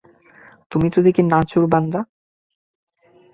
তুমি তো দেখি নাছোড়বান্দা।